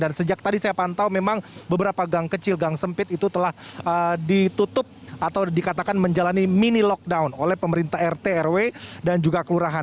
dan sejak tadi saya pantau memang beberapa gang kecil gang sempit itu telah ditutup atau dikatakan menjalani mini lockdown oleh pemerintah rt rw dan juga kelurahan